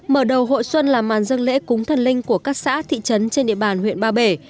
mở đầu hội xuân là màn dân lễ cúng thần linh của các xã thị trấn trên địa bàn huyện ba bể